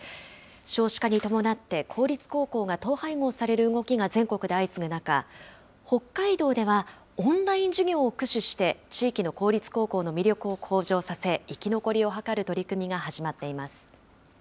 少子化に伴って公立高校が統廃合される動きが全国で相次ぐ中、北海道ではオンライン授業を駆使して、地域の公立高校の魅力を向上させ、生き残りを図る取り組みが始まっています。